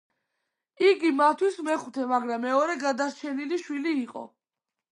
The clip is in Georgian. იგი მათთვის მეხუთე, მაგრამ მეორე გადარჩენილი შვილი იყო.